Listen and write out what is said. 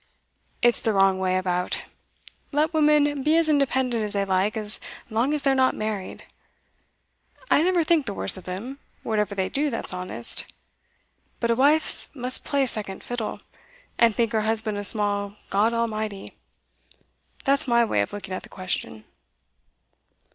It's the wrong way about. Let women be as independent as they like as long as they're not married. I never think the worse of them, whatever they do that's honest. But a wife must play second fiddle, and think her husband a small god almighty that's my way of looking at the question.